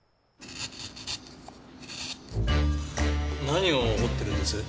何を彫ってるんです？